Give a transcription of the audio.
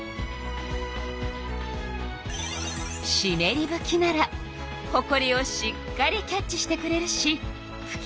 しめりぶきならほこりをしっかりキャッチしてくれるしふき